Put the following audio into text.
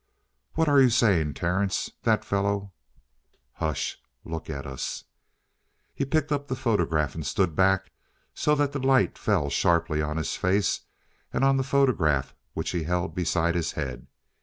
"What are you saying, Terence? That fellow " "Hush! Look at us!" He picked up the photograph and stood back so that the light fell sharply on his face and on the photograph which he held beside his head.